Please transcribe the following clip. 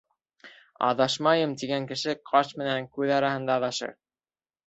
«Аҙашмайым» тигән кеше ҡаш менән күҙ араһында аҙашыр.